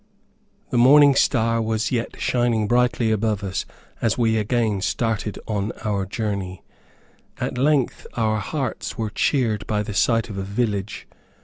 The morning star was yet shining brightly above us, as we again started on our journey. At length our hearts were cheered by the sight of a village.